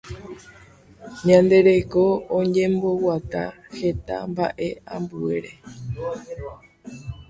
Ñande reko oñemboguata heta mbaʼe ambuére.